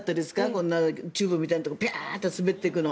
こんなチューブみたいなところをずっと滑っていくの。